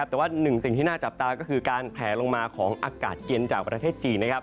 แต่ว่าหนึ่งสิ่งที่น่าจับตาก็คือการแผลลงมาของอากาศเย็นจากประเทศจีน